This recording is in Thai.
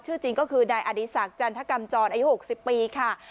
จริงก็คือนายอดีศักดิ์จันทกรรมจรอายุ๖๐ปีค่ะ